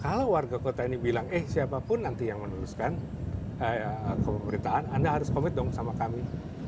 kalau warga kota ini bilang eh siapapun nanti yang meneruskan ke pemerintahan anda harus komit dong sama kami